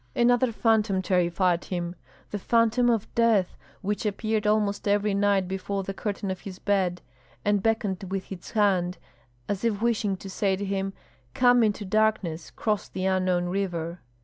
Another phantom terrified him the phantom of death, which appeared almost every night before the curtain of his bed, and beckoned with its hand, as if wishing to say to him, "Come into darkness, cross the unknown river."